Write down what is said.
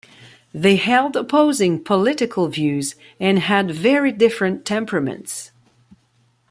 They held opposing political views and had very different temperaments.